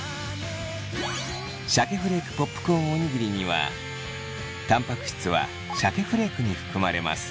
シャケフレークポップコーンおにぎりにはたんぱく質はシャケフレークに含まれます。